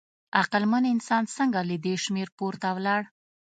عقلمن انسان څنګه له دې شمېر پورته ولاړ؟